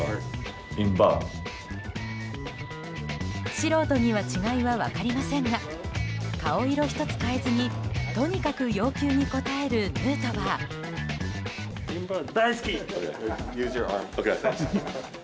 素人には違いは分かりませんが顔色一つ変えずにとにかく要求に応えるヌートバー。